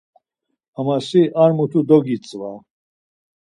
Ama sin ar mutu dogitzva.